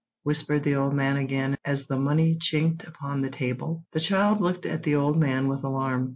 whispered the old man again, as the money chinked upon the table. The child looked at the old man with alarm.